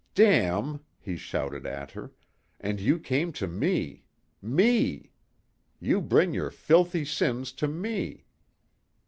"Damn!" he shouted at her, "and you come to me. Me! You bring your filthy sins to me!